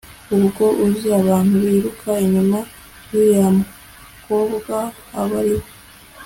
ubwo uzi abantu biruka inyuma yuriya mukobwa abaribo